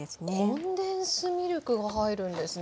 コンデンスミルクが入るんですね。